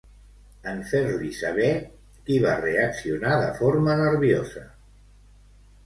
En fer-li saber, qui va reaccionar de forma nerviosa?